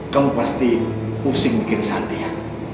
kamu pasti pusing bikin santi ya